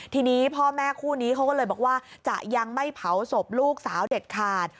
ทีนี้พ่อแม่คู่นี้เขาก็เลยบอกว่าจะยังไม่เผาศพลูกสาวเด็ดขาด